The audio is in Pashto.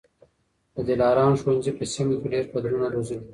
د دلارام ښوونځي په سیمه کي ډېر کدرونه روزلي دي.